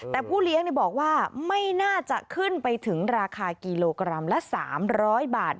แต่ผู้เลี้ยงบอกว่าไม่น่าจะขึ้นไปถึงราคากิโลกรัมละ๓๐๐บาท